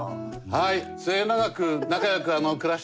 はい。